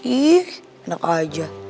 ih enak aja